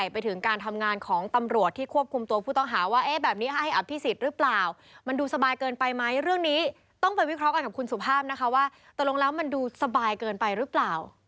ว่าตลงแล้วมันดูสบายเกินไปหรือเปล่า